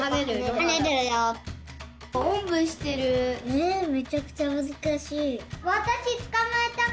えっめちゃくちゃむずかしい。